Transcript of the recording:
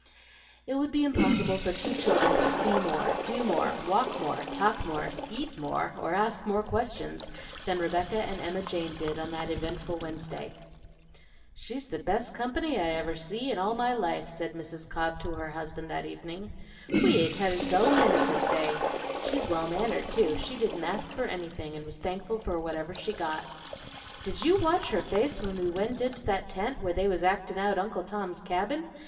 It would be impossible for two children to see more, do more, walk more, talk more, eat more, or ask more questions than Rebecca and Emma Jane did on that eventful Wednesday. "She's the best company I ever see in all my life," said Mrs. Cobb to her husband that evening. "We ain't had a dull minute this day. She's well mannered, too; she didn't ask for anything, and was thankful for whatever she got. Did you watch her face when we went into that tent where they was actin' out Uncle Tom's Cabin?